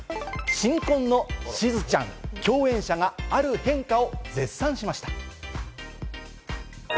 新婚のしずちゃん、共演者がある変化を絶賛しました。